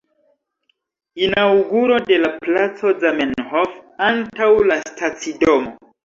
Inaŭguro de la placo Zamenhof antaŭ la stacidomo.